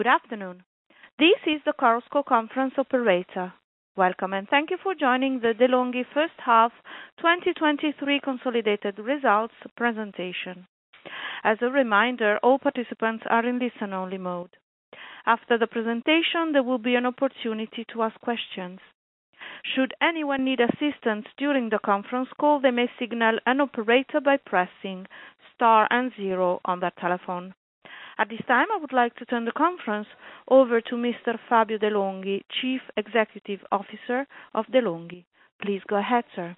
Good afternoon. This is the Chorus Call Conference Operator. Welcome, and thank you for joining the De'Longhi first half 2023 consolidated results presentation. As a reminder, all participants are in listen-only mode. After the presentation, there will be an opportunity to ask questions. Should anyone need assistance during the conference call, they may signal an operator by pressing star and zero on their telephone. At this time, I would like to turn the conference over to Mr. Fabio De'Longhi, Chief Executive Officer of De'Longhi. Please go ahead, sir.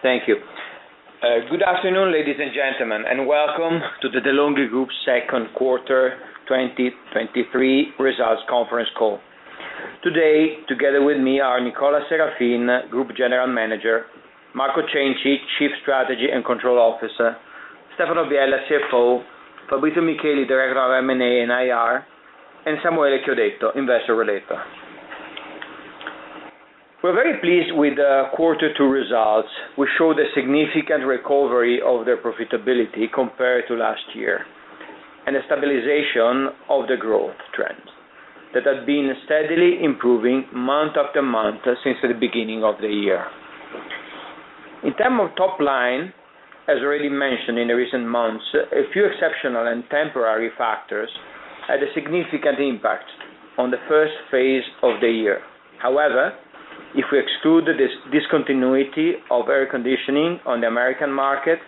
Thank you. Good afternoon, ladies and gentlemen, welcome to the De'Longhi Group second quarter 2023 results conference call. Today, together with me are Nicola Serafin, Group General Manager, Marco Cenci, Chief Strategy and Control Officer, Stefano Biella, CFO, Fabrizio Micheli, Director of M&A and IR, and Samuele Chiodetto, Investor Relator. We're very pleased with the quarter two results, which show the significant recovery of their profitability compared to last year, and a stabilization of the growth trend that has been steadily improving month after month since the beginning of the year. In terms of top line, as already mentioned in the recent months, a few exceptional and temporary factors had a significant impact on the first phase of the year. However, if we exclude this discontinuity of air conditioning on the American market,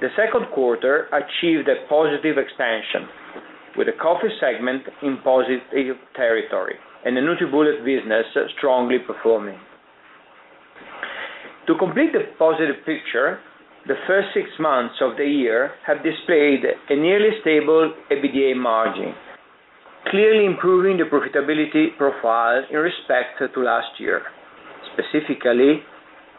the second quarter achieved a positive expansion with a coffee segment in positive territory and a NutriBullet business strongly performing. To complete the positive picture, the first six months of the year have displayed a nearly stable EBITDA margin, clearly improving the profitability profile in respect to last year. Specifically,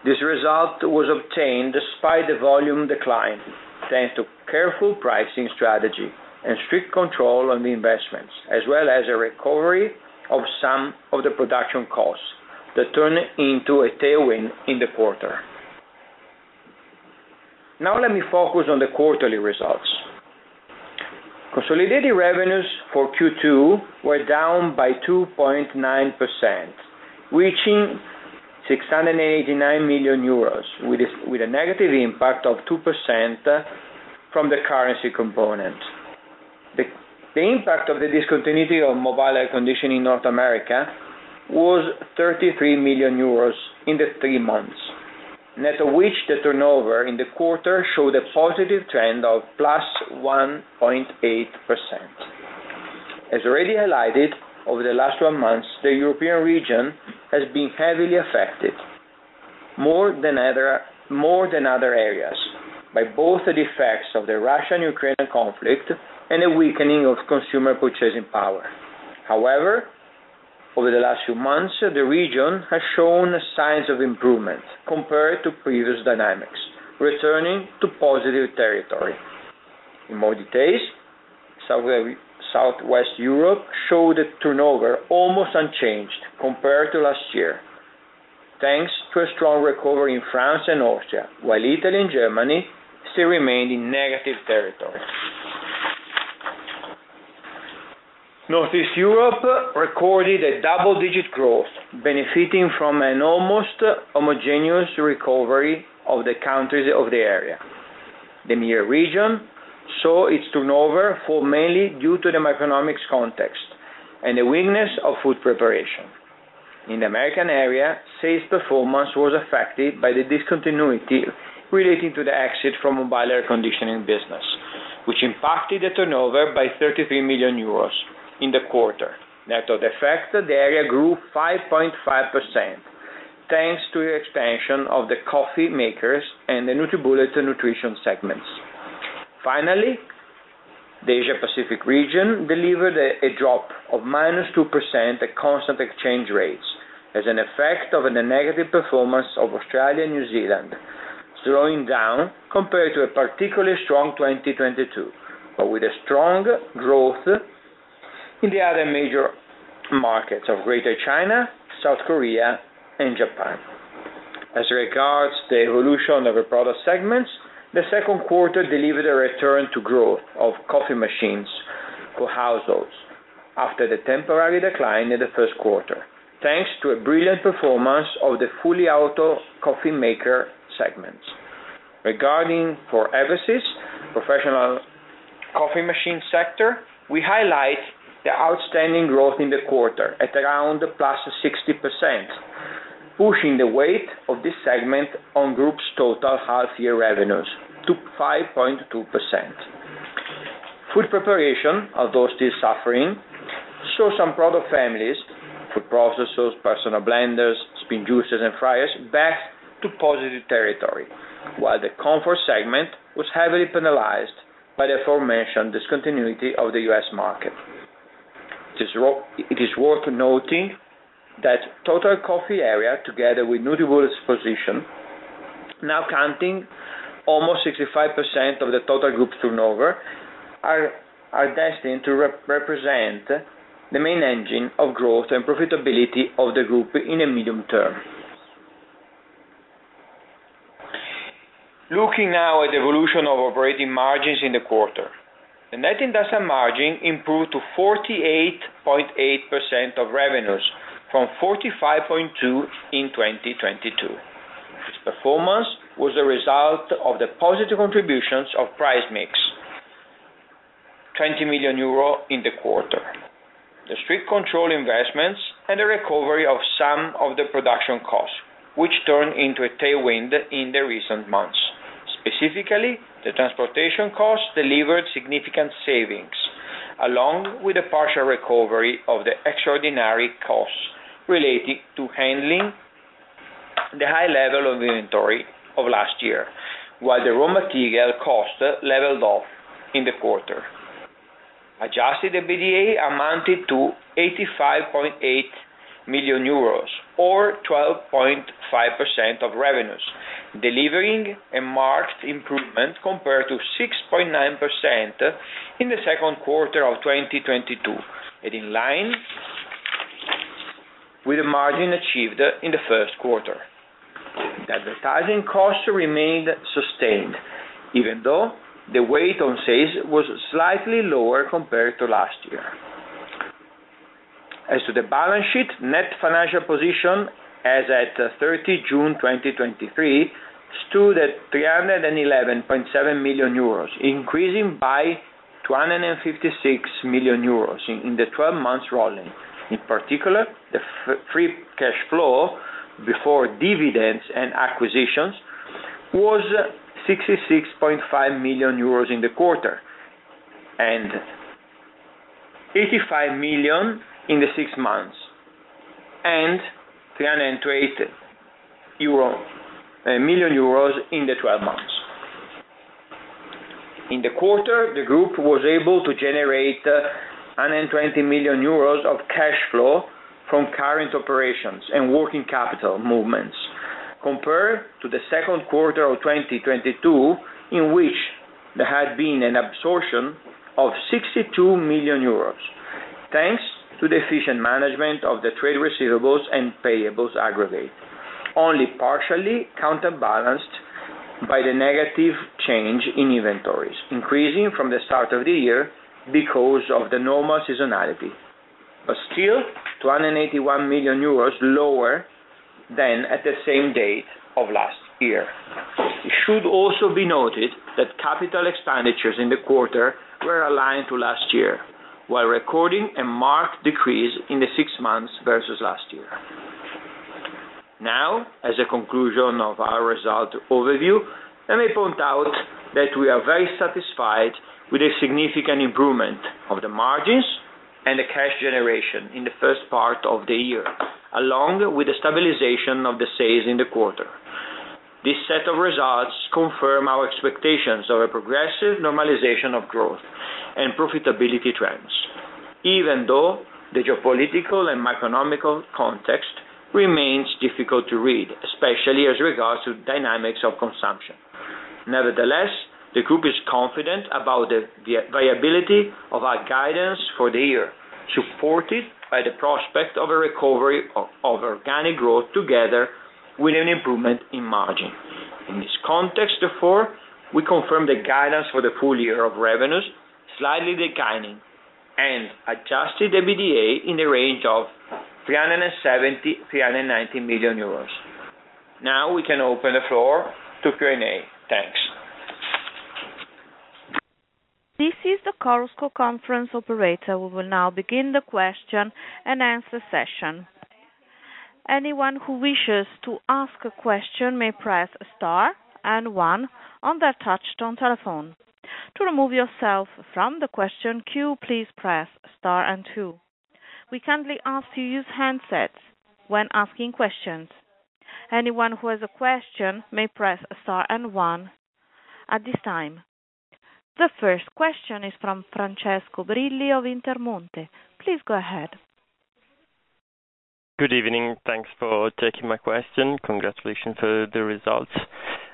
this result was obtained despite the volume decline, thanks to careful pricing strategy and strict control on the investments, as well as a recovery of some of the production costs that turned into a tailwind in the quarter. Now let me focus on the quarterly results. Consolidated revenues for Q2 were down by 2.9%, reaching 689 million euros, with a negative impact of 2% from the currency component. The impact of the discontinuity of mobile air conditioning in North America was 33 million euros in the three months, net of which the turnover in the quarter showed a positive trend of +1.8%. As already highlighted, over the last 12 months, the European region has been heavily affected more than other areas, by both the defects of the Russian-Ukrainian conflict and the weakening of consumer purchasing power. However, over the last few months, the region has shown signs of improvement compared to previous dynamics, returning to positive territory. In more details, Southwest Europe showed a turnover almost unchanged compared to last year, thanks to a strong recovery in France and Austria, while Italy and Germany still remained in negative territory. Northeast Europe recorded a double-digit growth, benefiting from an almost homogeneous recovery of the countries of the area. The MEIA region saw its turnover fall, mainly due to the macroeconomic context and the weakness of food preparation. In the American area, sales performance was affected by the discontinuity relating to the exit from mobile air conditioning business, which impacted the turnover by 33 million euros in the quarter. Net of the effect, the area grew 5.5%, thanks to the expansion of the coffee makers and the NutriBullet nutrition segments. Finally, the Asia Pacific region delivered a drop of -2% at constant exchange rates as an effect of the negative performance of Australia and New Zealand, slowing down compared to a particularly strong 2022, but with a strong growth in the other major markets of Greater China, South Korea, and Japan. As regards the evolution of the product segments, the second quarter delivered a return to growth of coffee machines for households after the temporary decline in the first quarter, thanks to a brilliant performance of the fully automatic coffee maker segments. Regarding B2B, professional coffee machine sector, we highlight the outstanding growth in the quarter at around +60%, pushing the weight of this segment on group's total half-year revenues to 5.2%. Food preparation, although still suffering, saw some product families, food processors, personal blenders, spin juicers, and fryers back to positive territory, while the comfort segment was heavily penalized by the aforementioned discontinuity of the U.S. market. It is worth noting that total coffee area, together with NutriBullet's position, now counting almost 65% of the total group turnover, are destined to represent the main engine of growth and profitability of the group in a medium term. Looking now at the evolution of operating margins in the quarter. The net industrial margin improved to 48.8% of revenues, from 45.2 in 2022. This performance was a result of the positive contributions of price mix, 20 million euro in the quarter. The strict control investments and the recovery of some of the production costs, which turned into a tailwind in the recent months. Specifically, the transportation costs delivered significant savings, along with a partial recovery of the extraordinary costs related to handling the high level of inventory of last year, while the raw material cost leveled off in the quarter. Adjusted EBITDA amounted to 85.8 million euros, or 12.5% of revenues, delivering a marked improvement compared to 6.9% in the second quarter of 2022, and in line with the margin achieved in the first quarter. Advertising costs remained sustained, even though the weight on sales was slightly lower compared to last year. As to the balance sheet, net financial position as at 30 June 2023, stood at 311.7 million euros, increasing by 256 million euros in the twelve months rolling. In particular, the free cash flow before dividends and acquisitions was 66.5 million euros in the quarter, and 85 million in the six months, and 328 million euro in the 12 months. In the quarter, the group was able to generate 120 million euros of cash flow from current operations and working capital movements, compared to the second quarter of 2022, in which there had been an absorption of 62 million euros, thanks to the efficient management of the trade receivables and payables aggregate, only partially counterbalanced by the negative change in inventories, increasing from the start of the year because of the normal seasonality. Still, 281 million euros lower than at the same date of last year. It should also be noted that capital expenditures in the quarter were aligned to last year, while recording a marked decrease in the six months versus last year. Now, as a conclusion of our result overview, let me point out that we are very satisfied with the significant improvement of the margins and the cash generation in the first part of the year, along with the stabilization of the sales in the quarter. This set of results confirm our expectations of a progressive normalization of growth and profitability trends, even though the geopolitical and macroeconomic context remains difficult to read, especially as regards to dynamics of consumption. Nevertheless, the group is confident about the viability of our guidance for the year, supported by the prospect of a recovery of organic growth together with an improvement in margin. In this context, therefore, we confirm the guidance for the full year of revenues, slightly declining and adjusted the EBITDA in the range of 370 million-390 million euros. Now we can open the floor to Q&A. Thanks. This is the Chorus Call conference operator. We will now begin the question and answer session. Anyone who wishes to ask a question may press star and one on their touch-tone telephone. To remove yourself from the question queue, please press star and two. We kindly ask you to use handsets when asking questions. Anyone who has a question may press star and one at this time. The first question is from Francesco Brilli of Intermonte. Please go ahead. Good evening. Thanks for taking my question. Congratulations for the results.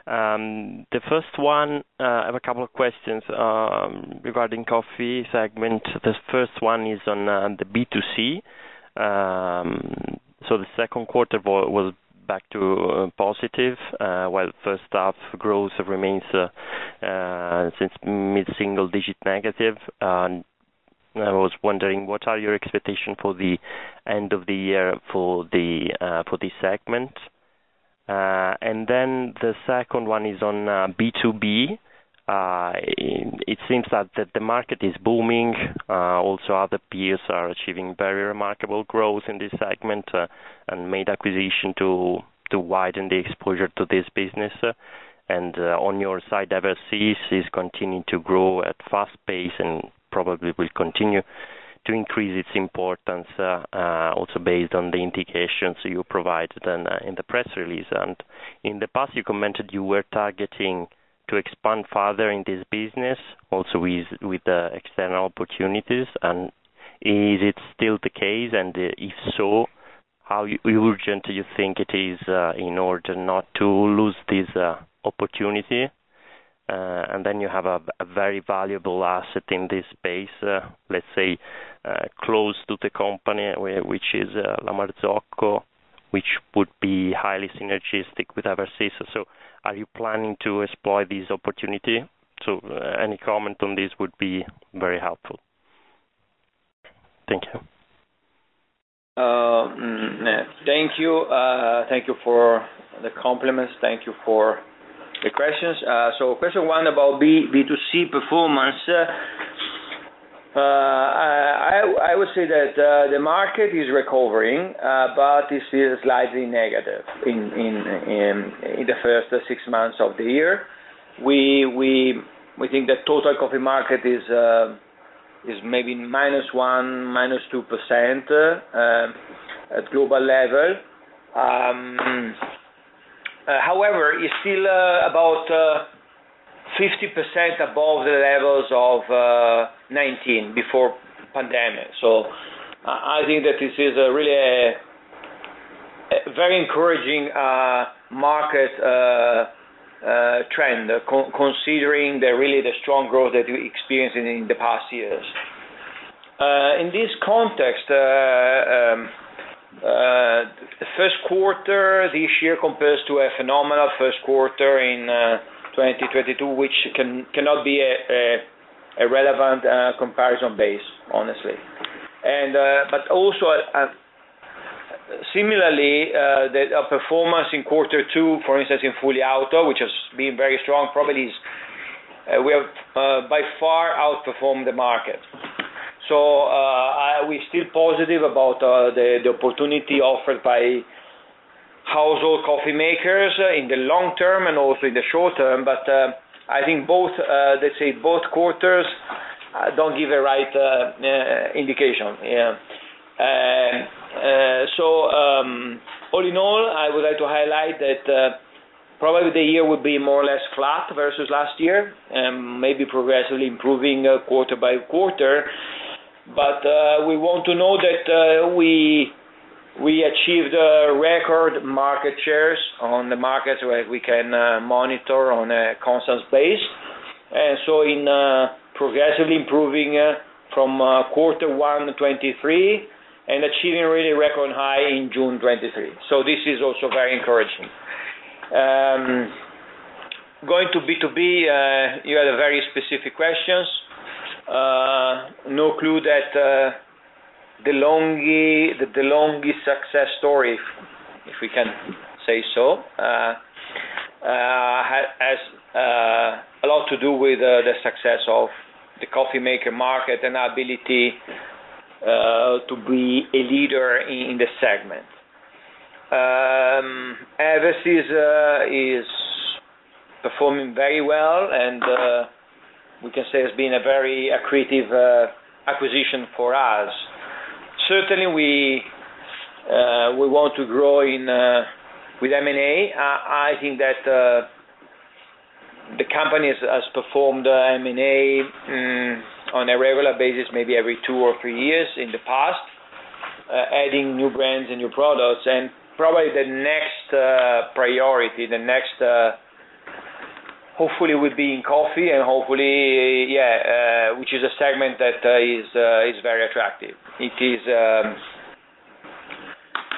The first one, I have a couple of questions regarding coffee segment. The first one is on the B2C. The second quarter was back to positive, while first half growth remains since mid-single-digit negative. I was wondering, what are your expectation for the end of the year for this segment? Then the second one is on B2B. It seems that the market is booming. Also other peers are achieving very remarkable growth in this segment, and made acquisition to widen the exposure to this business. On your side, Eversys is continuing to grow at fast pace and probably will continue to increase its importance, also based on the indications you provided on in the press release. In the past, you commented you were targeting to expand further in this business, also with, with the external opportunities, and is it still the case? If so, how urgent do you think it is in order not to lose this opportunity?... and then you have a, a very valuable asset in this space, let's say, close to the company, which is La Marzocco, which would be highly synergistic with Eversys. Are you planning to explore this opportunity? Any comment on this would be very helpful. Thank you. Thank you for the compliments. Thank you for the questions. So question one about B2C performance. I, I would say that the market is recovering, but it is slightly negative in the first six months of the year. We think the total coffee market is maybe -1%, -2% at global level. However, it's still about 50% above the levels of 2019, before pandemic. So I think that this is a really very encouraging market trend, considering the really the strong growth that we experienced in the past years. In this context, first quarter this year compares to a phenomenal first quarter in 2022, which cannot be a relevant comparison base, honestly. But also, similarly, the, our performance in quarter two, for instance, in fully automatic, which has been very strong, probably is... We have by far outperformed the market. We're still positive about the opportunity offered by household coffee makers in the long term and also in the short term, but I think both, let's say, both quarters don't give a right indication. Yeah. All in all, I would like to highlight that probably the year would be more or less flat versus last year, maybe progressively improving quarter by quarter. We want to know that, we, we achieved, record market shares on the markets where we can, monitor on a constant basis. In, progressively improving from, Q1 2023 and achieving really record high in June 2023. This is also very encouraging. Going to B2B, you had a very specific questions. No clue that, De'Longhi, the De'Longhi success story, if we can say so, has, a lot to do with, the success of the coffee maker market and our ability, to be a leader in, in the segment. Eversys, is performing very well, and, we can say it's been a very accretive, acquisition for us. Certainly, we, we want to grow in, with M&A. I think that the company has, has performed M&A on a regular basis, maybe every two or three years in the past, adding new brands and new products. Probably the next priority, the next, hopefully, will be in coffee, and hopefully, yeah, which is a segment that is very attractive. It is.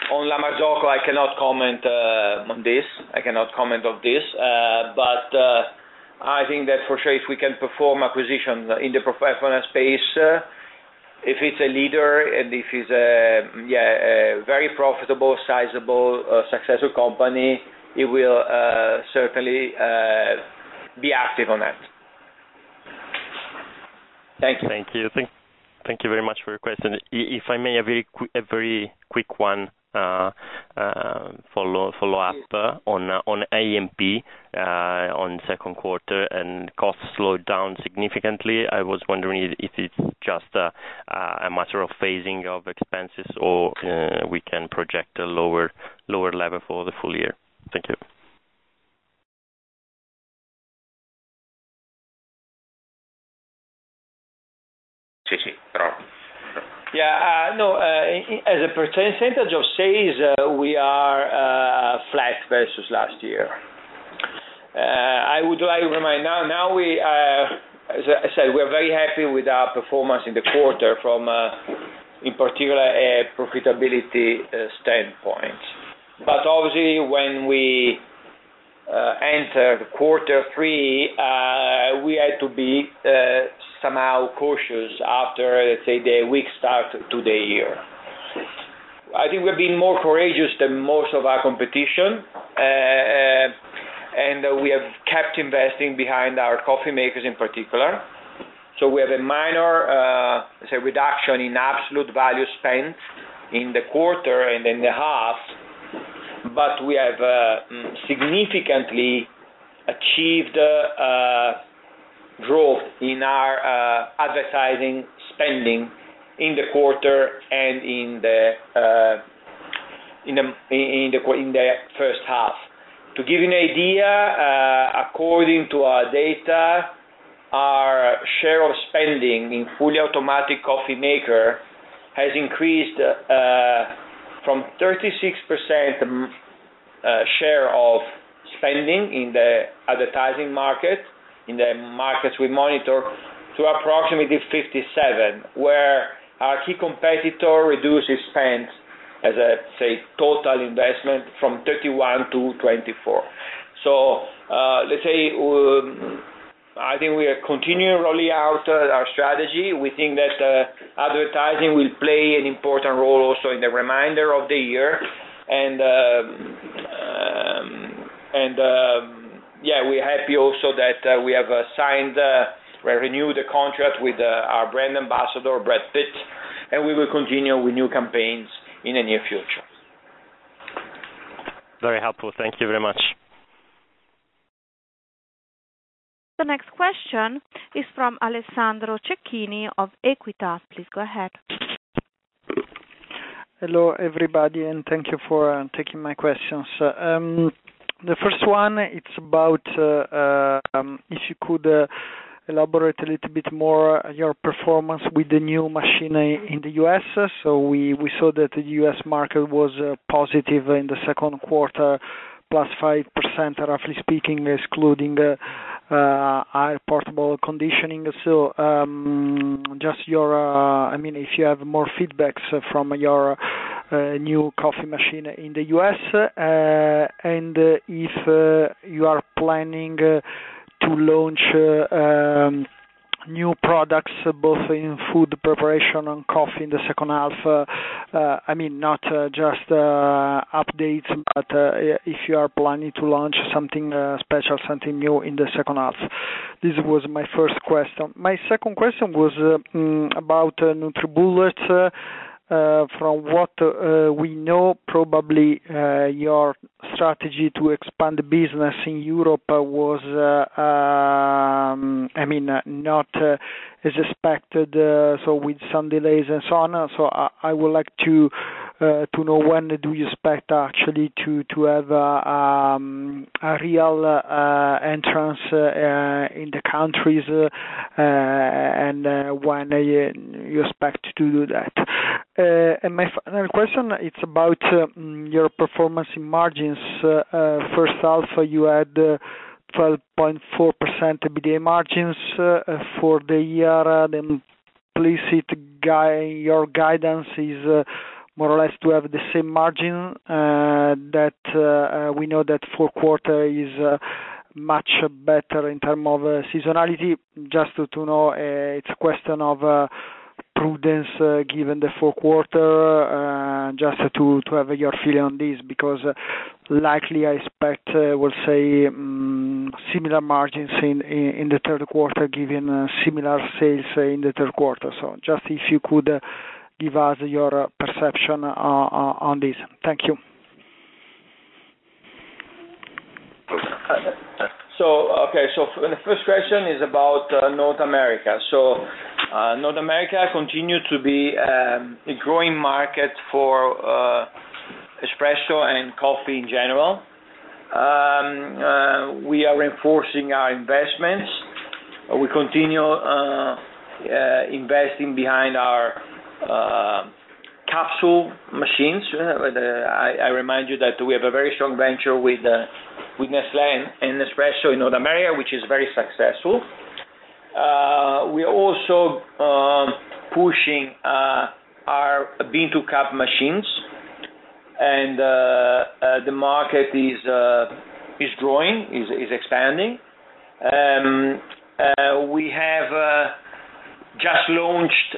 On La Marzocco, I cannot comment on this, I cannot comment on this. I think that for sure, if we can perform acquisitions in the professional space, if it's a leader, and if it's a, yeah, a very profitable, sizable, successful company, it will certainly be active on that. Thank you. Thank you. Thank, thank you very much for your question. If I may, a very quick one, follow-up. Yes. -on, on A&P, on second quarter, and costs slowed down significantly. I was wondering if, if it's just a, a matter of phasing of expenses or, we can project a lower, lower level for the full year. Thank you. Yeah, no, as a percentage of sales, we are flat versus last year. I would like to remind. As I said, we're very happy with our performance in the quarter from a, in particular, a profitability standpoint. Obviously, when we enter the quarter three, we had to be somehow cautious after, lets say, the weak start to the year. I think we've been more courageous than most of our competition, and we have kept investing behind our coffee makers in particular. We have a minor, say, reduction in absolute value spend in the quarter and in the half, but we have significantly achieved growth in our advertising spending in the quarter and in the first half. To give you an idea, according to our data, in fully automatic coffee maker has increased from 36% share of spending in the advertising market, in the markets we monitor, to approximately 57%, where our key competitor reduces spend, as I say, total investment from 31% to 24%. Let's say, I think we are continuing rolling out our strategy. We think that advertising will play an important role also in the remainder of the year. Yeah, we're happy also that we have assigned or renewed the contract with our brand ambassador, Brad Pitt, and we will continue with new campaigns in the near future. Very helpful. Thank you very much. The next question is from Alessandro Cecchini of Equita. Please go ahead. Hello, everybody, and thank you for taking my questions. The first one, it's about, if you could elaborate a little bit more your performance with the new machinery in the U.S. We, we saw that the U.S. market was positive in the second quarter, +5%, roughly speaking, excluding the portable conditioning. Just your... I mean, if you have more feedbacks from your new coffee machine in the U.S., and if you are planning to launch new products, both in food preparation and coffee in the second half. I mean, not just updates, but if you are planning to launch something special, something new in the second half. This was my first question. My second question was about NutriBullet. From what we know, probably, I mean, not as expected, so with some delays and so on. I, I would like to know, when do you expect actually to have a real entrance in the countries, and when you expect to do that? My final question, it's about your performance in margins. First half, you had 12.4% EBITDA margins for the year. The implicit guide, your guidance is more or less to have the same margin that we know that four quarter is much better in term of seasonality. Just to know, it's a question of prudence, given the fourth quarter, just to, to have your feeling on this, because likely, I expect, we'll say, similar margins in, in the third quarter, given similar sales in the third quarter. Just if you could give us your perception, on this. Thank you. The first question is about North America. North America continued to be a growing market for espresso and coffee in general. We are reinforcing our investments. We continue investing behind our capsule machines. I remind you that we have a very strong venture with Nestlé in Nespresso in North America, which is very successful. We are also pushing our bean-to-cup machines, and the market is growing, is expanding. We have just launched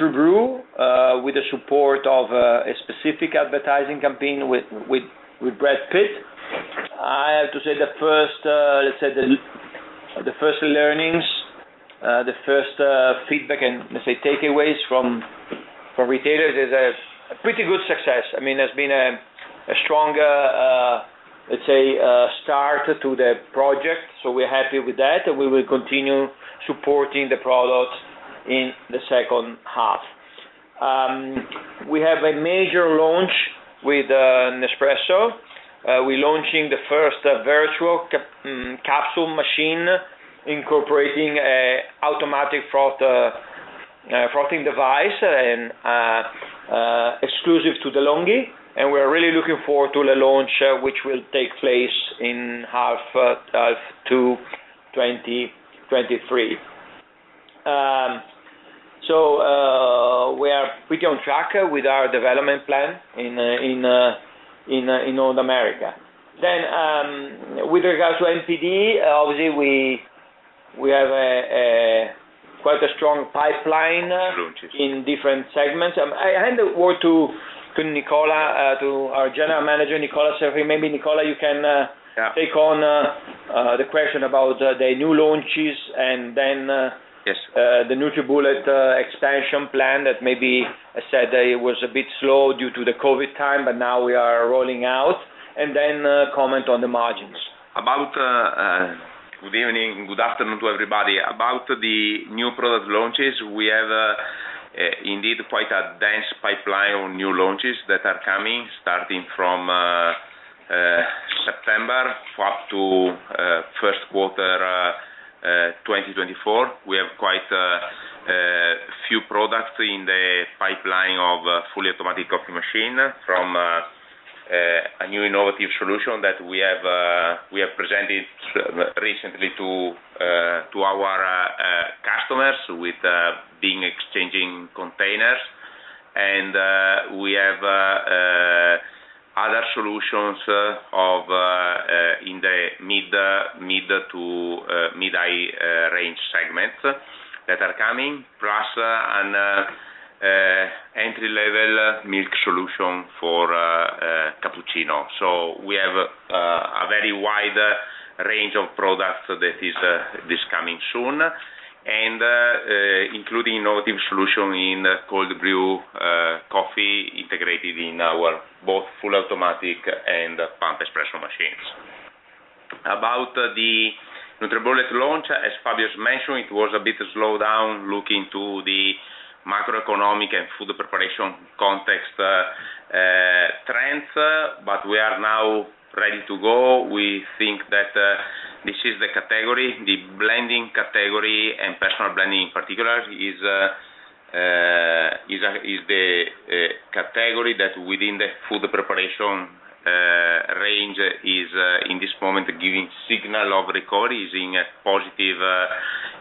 TrueBrew with the support of a specific advertising campaign with Brad Pitt. I have to say, the first, let's say, the first learnings, the first feedback and, let's say, takeaways from retailers is a pretty good success. I mean, it's been a, a strong start to the project, so we're happy with that. We will continue supporting the product in the second half. We have a major launch with Nespresso. We're launching the first Vertuo capsule machine, incorporating a automatic froth frothing device and exclusive to De'Longhi, and we are really looking forward to the launch, which will take place in half of 2 2023. We are pretty on track with our development plan in North America. With regards to NPD, obviously, we have a quite a strong pipeline in different segments. I hand over to Nicola, to our General Manager, Nicola Serafin. Maybe, Nicola, you can. Yeah. -take on, the question about the new launches and then- Yes. the NutriBullet expansion plan that maybe I said it was a bit slow due to the COVID time, but now we are rolling out, and then comment on the margins. About, good evening, good afternoon to everybody. About the new product launches, we have, indeed, quite a dense pipeline on new launches that are coming, starting from September for up to first quarter 2024, we have quite a few products in the pipeline of fully automatic coffee machine from a new innovative solution that we have, we have presented recently to our customers with being exchanging containers. We have other solutions of in the mid, mid to mid range segments that are coming, plus an entry-level milk solution for cappuccino. We have a very wide range of products that is coming soon, and including innovative solution in cold brew coffee, integrated in our both fully automatic and pump espresso machines. About the NutriBullet launch, as Fabio mentioned, it was a bit slowed down, looking to the macroeconomic and food preparation context trends, but we are now ready to go. We think that this is the category, the blending category, and personal blending, in particular, is a is the category that within the food preparation range, is in this moment, giving signal of recovery, is in a positive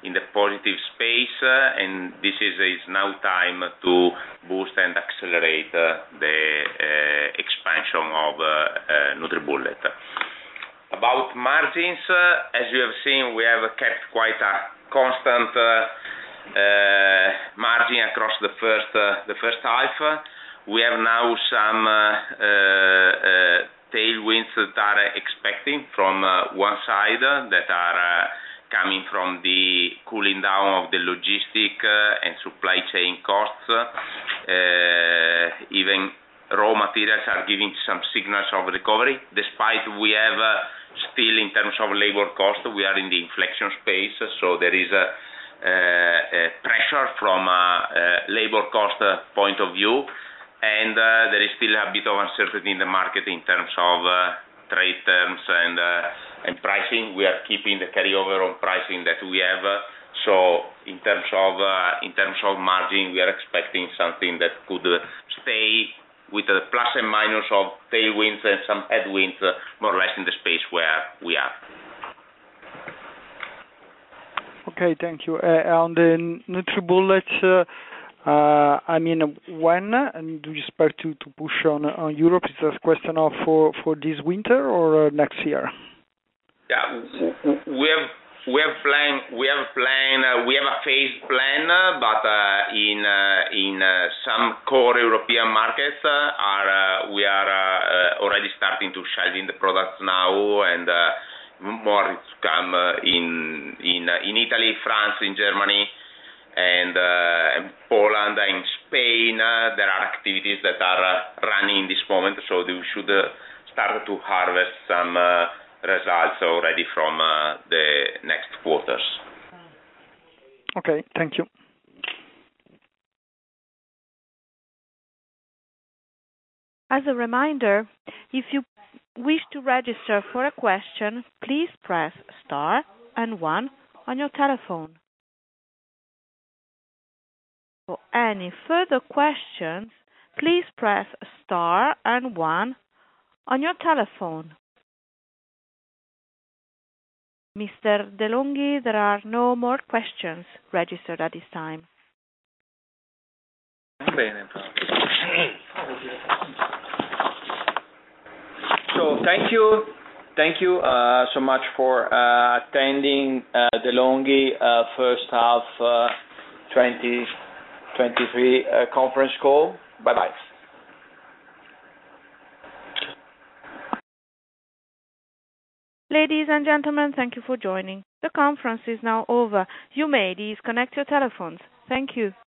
in the positive space, and this is now time to boost and accelerate the expansion of NutriBullet. About margins, as you have seen, we have kept quite a constant margin across the first, the first half. We have now some tailwinds that are expecting from one side, that are coming from the cooling down of the logistic and supply chain costs. Even raw materials are giving some signals of recovery, despite we have still in terms of labor cost, we are in the inflection space, so there is a pressure from labor cost point of view, and there is still a bit of uncertainty in the market in terms of trade terms and and pricing. We are keeping the carryover on pricing that we have. In terms of, in terms of margin, we are expecting something that could stay with the plus and minus of tailwinds and some headwinds, more or less in the space where we are. Okay, thank you. On the NutriBullet, I mean, when and do you expect to, to push on, on Europe? Is this question of for, for this winter or next year? Yeah, we have, we have plan, we have a plan, we have a phase plan, but in some core European markets, we are already starting to shelving the products now, and more is to come in Italy, France, in Germany, and Poland and Spain. There are activities that are running this moment, so they should start to harvest some results already from the next quarters. Okay, thank you. As a reminder, if you wish to register for a question, please press star and one on your telephone. For any further questions, please press star and one on your telephone. Mr. De'Longhi, there are no more questions registered at this time. Thank you. Thank you, so much for attending De'Longhi first half 2023 conference call. Bye-bye. Ladies and gentlemen, thank you for joining. The conference is now over. You may disconnect your telephones. Thank you.